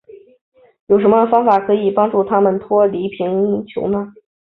有什么方法可以帮助他们脱离贫穷呢。